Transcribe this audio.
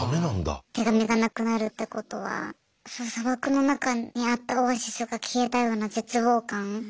手紙がなくなるってことは砂漠の中にあったオアシスが消えたような絶望感。